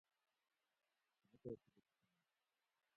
چھیں تے صرف چھیں